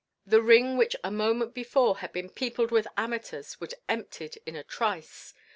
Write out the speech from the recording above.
The ring which a moment before had been peopled with amateurs was emptied in a trice.